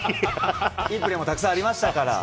いいプレーもたくさんありました